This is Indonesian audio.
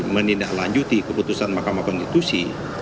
menindaklanjuti keputusan mahkamah konstitusi